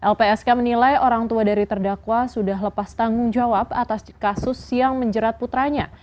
lpsk menilai orang tua dari terdakwa sudah lepas tanggung jawab atas kasus yang menjerat putranya